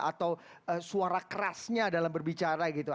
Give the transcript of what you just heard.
atau suara kerasnya dalam berbicara gitu